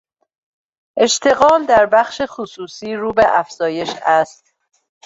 اشتغال در بخش خصوصی رو به افزایش است.